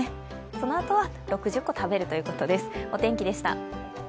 そのあとは６０個食べるということです。